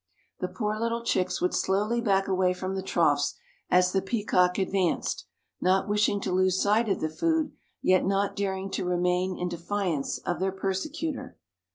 The poor little chicks would slowly back away from the troughs as the peacock advanced, not wishing to lose sight of the food yet not daring to remain in defiance of their persecutor.